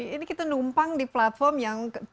ini kita numpang di platform yang